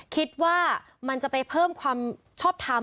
คิดว่ามันจะไปเพิ่มความชอบทำ